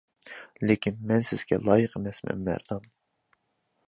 -لېكىن مەن سىزگە لايىق ئەمەسمەن مەردان.